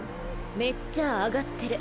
めっちゃアガってる。